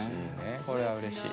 これはうれしい。